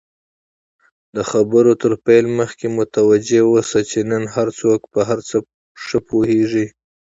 د خبرو تر پیل مخکی متوجه اوسه، چی نن هرڅوک په هرڅه ښه پوهیږي!